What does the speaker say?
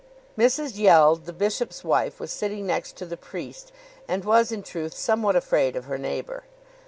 Mrs. Yeld, the bishop's wife, was sitting next to the priest, and was in truth somewhat afraid of her neighbour.